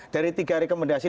dari tiga rekomendasi